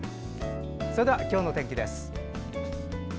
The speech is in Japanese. それでは今日の天気です。